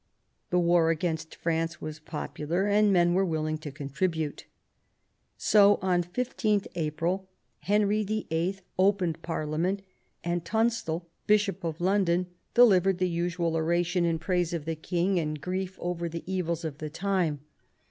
The war against France was popular, and men were willing to contribute. So on 15th April Henry Vlll. opened Parliament, and Tunstal, Bishop of London, delivered the usual oration in praise of the king and grief over the evils of the time.